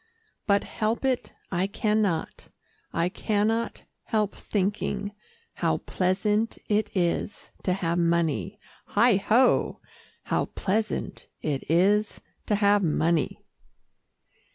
But help it, I can not, I can not help thinking, How pleasant it is to have money, heigh ho! How pleasant it is to have money!"